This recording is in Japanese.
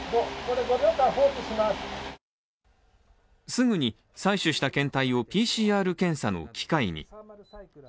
すぐに採取した検体をＰＣＲ検査の機械に。